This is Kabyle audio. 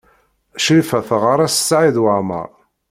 Crifa teɣɣar-as Saɛid Waɛmaṛ.